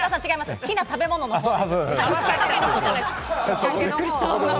好きな食べ物のほうです。